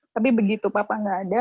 tapi begitu papa